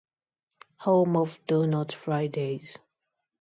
Home of donut Fridays.